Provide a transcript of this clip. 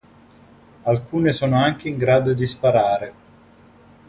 Alcune sono anche in grado di sparare.